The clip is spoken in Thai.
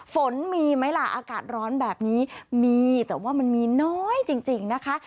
ฝนมีไหมล่ะอากาศร้อนแบบนี้มีแต่ว่ามันมีน้อยจริงนะคะ